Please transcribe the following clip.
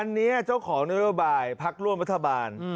อันนี้เจ้าของนโยบายพักร่วมรัฐบาล